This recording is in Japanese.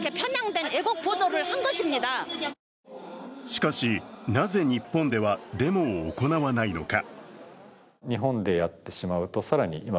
しかし、なぜ日本ではデモを行わないのか。